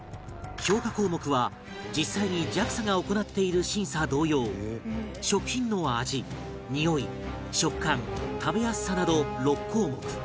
評価項目は実際に ＪＡＸＡ が行っている審査同様食品の味におい食感食べやすさなど６項目